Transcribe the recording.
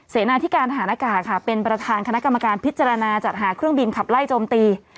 เสนาธิการฐานอากาศค่ะเป็นประธานคณะกรรมการพิจารณาจัดหาเครื่องบินขับไล่โจมตี